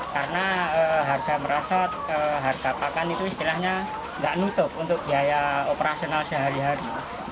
karena harga merasot harga pakan itu istilahnya tidak menutup untuk biaya operasional sehari hari